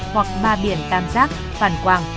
hoặc ba biển tam giác phản quang